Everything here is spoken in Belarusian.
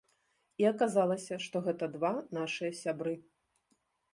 І аказалася, што гэта два нашыя сябры.